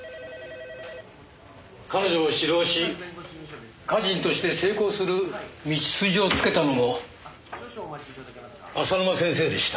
彼女を指導し歌人として成功する道筋をつけたのも浅沼先生でした。